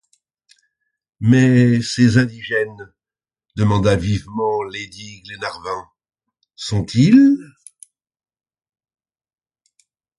Mais ces indigènes, demanda vivement lady Glenarvan, sont-ils...